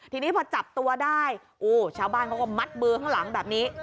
ทีนี้พอจับตัวได้โอ้ชาวบ้านเขาก็มัดมือข้างหลังแบบนี้